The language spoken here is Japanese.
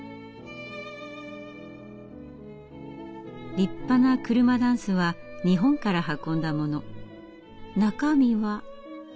立派な車箪笥は日本から運んだもの。中身は？